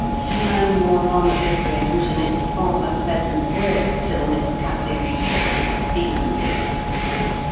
Time wore on at the Grange in its former pleasant way till Miss Cathy reached sixteen.